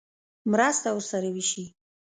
مرسته ورسره وشي.